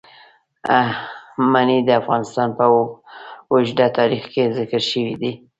منی د افغانستان په اوږده تاریخ کې ذکر شوی دی.